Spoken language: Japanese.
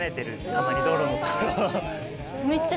たまに道路の所を。